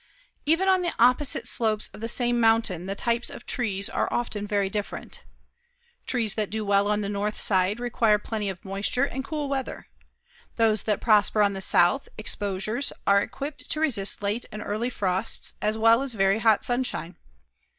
Even on the opposite slopes of the same mountain the types of trees are often very different. Trees that do well on the north side require plenty of moisture and cool weather. Those that prosper on south exposures are equipped to resist late and early frosts as well as very hot sunshine.